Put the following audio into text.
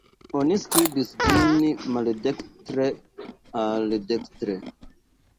Oni skribis ĝin maldekstr-al-dekstre.